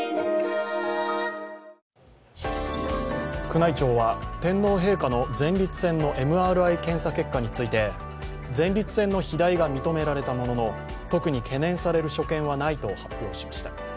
宮内庁は天皇陛下の前立腺のＭＲＩ検査結果について前立腺の肥大が認められたものの特に懸念される所見はないと発表しました。